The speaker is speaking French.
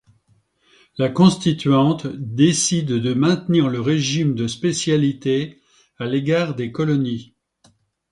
La Constituante décide de maintenir le régime de spécialité à l'égard des colonies.